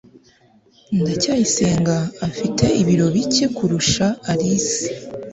ndacyayisenga afite ibiro bike kurusha alice